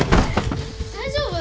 大丈夫？